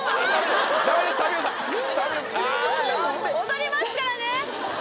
踊りますからね！